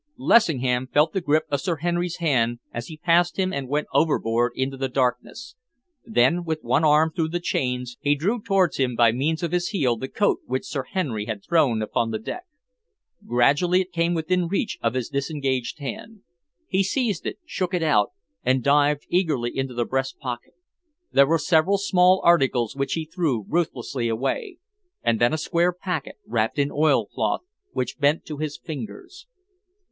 Lessingham felt the grip of Sir Henry's hand as he passed him and went overboard into the darkness. Then, with one arm through the chains, he drew towards him by means of his heel the coat which Sir Henry had thrown upon the deck. Gradually it came within reach of his disengaged hand. He seized it, shook it out, and dived eagerly into the breast pocket. There were several small articles which he threw ruthlessly away, and then a square packet, wrapped in oilcloth, which bent to his fingers.